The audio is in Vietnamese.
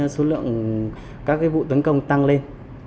số lượng các vụ tấn công tăng lên